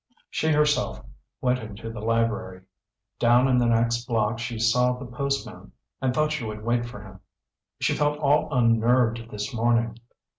She herself went into the library. Down in the next block she saw the postman, and thought she would wait for him. She felt all unnerved this morning.